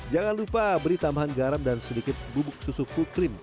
jangan lupa beri tambahan garam dan sedikit bubuk susu kukrim